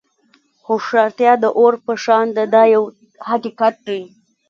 هوښیارتیا د اور په شان ده دا یو حقیقت دی.